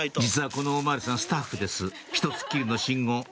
実はこのお巡りさんスタッフです１つっきりの信号